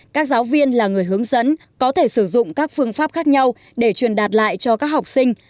các giáo viên là người hướng dẫn có thể sử dụng các phương pháp khác nhau để truyền đạt lại cho các học sinh